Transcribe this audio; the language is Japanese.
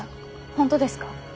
本当ですか？